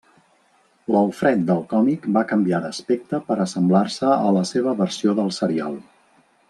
L'Alfred del còmic va canviar d'aspecte per assemblar-se a la seva versió del serial.